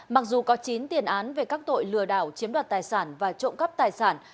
mặc dù có chín tiền án về các tội lừa đảo chiếm đoạt tài sản và trộm cắp tài sản